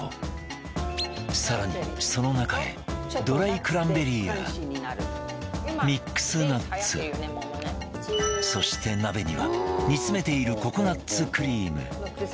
さらにその中へドライクランベリーやミックスナッツそして鍋には煮詰めているココナッツクリーム